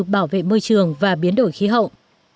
bảo vệ môi trường và biến đổi khí hậu